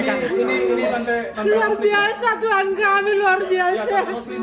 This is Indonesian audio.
luar biasa tuhan kami luar biasa